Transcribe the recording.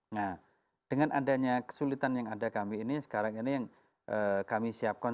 nah dengan adanya kesulitan yang ada kami ini sekarang ini yang kami siapkan